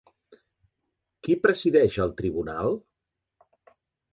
Qui presideix el tribunal?